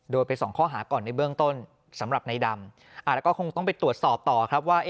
ไปสองข้อหาก่อนในเบื้องต้นสำหรับในดำแล้วก็คงต้องไปตรวจสอบต่อครับว่า